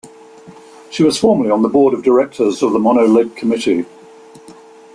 She was formerly on the Board of Directors of the Mono Lake Committee.